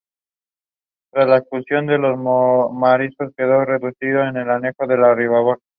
Tras la expulsión de los moriscos quedó reducido a un anejo de Ribarroja.